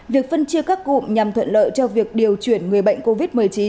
việc phân chia các cụm nhằm thuận lợi cho việc điều chuyển người bệnh covid một mươi chín